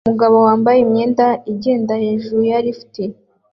umugabo wambaye imyenda igenda hejuru ya lift